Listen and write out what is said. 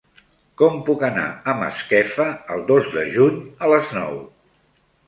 Com puc anar a Masquefa el dos de juny a les nou?